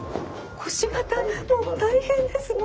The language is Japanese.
腰がもう大変ですもう。